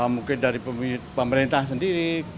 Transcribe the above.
mungkin dari pemerintah sendiri